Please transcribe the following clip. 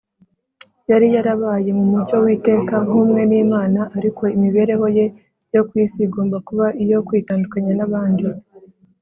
Yari yarabaye mu mucyo w’iteka, nk’umwe n’Imana, ariko imibereho ye yo ku isi igomba kuba iyo kwitandukanya n’abandi.